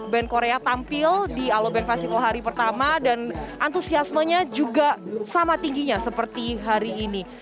band korea tampil di aloe bank festival hari pertama dan antusiasmenya juga sama tingginya seperti hari ini